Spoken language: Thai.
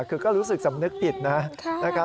คือก็รู้สึกสำนึกผิดนะครับ